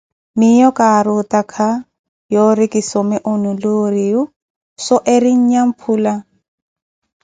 Miiyo kari otakha yoori kisome UniLuriyu, so eri Nnyamphula.